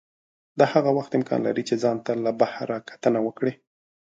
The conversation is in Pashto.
دا هغه وخت امکان لري چې ځان ته له بهر کتنه وکړئ.